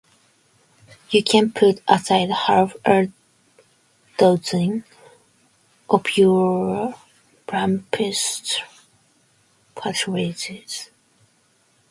You can put aside half-a-dozen of your plumpest partridges.